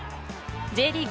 Ｊリーグ